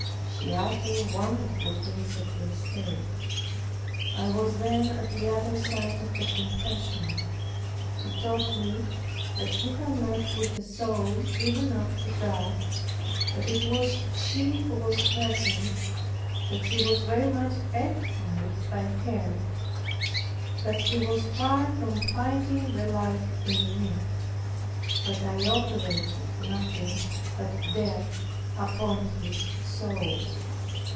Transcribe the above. She uttered wonderful things of her state. I was then at the other side of the confessional. He told me, "He had met with a soul given up to God; that it was she who was present; that he was very much edified by her; that he was far from finding the like in me; that I operated nothing but death upon his soul."